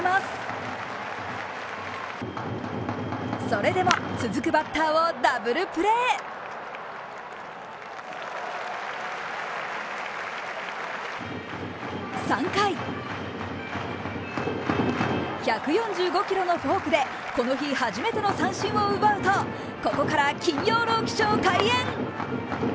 それでも、続くバッターをダブルプレー３回１４５キロのフォークでこの日初めての三振を奪うと、ここから金曜ローキショー開演。